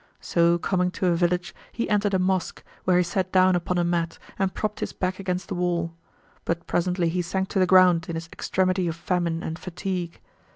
So coming to a village he entered a mosque[FN#125] where he sat down upon a mat and propped his back against the wall; but presently he sank to the ground in his extremity of famine and fatigue.